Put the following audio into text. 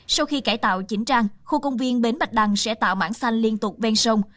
sau khi cải tạo chỉnh trang khu công viên bến bạch đăng sẽ tạo mảng xanh liên tục ven sông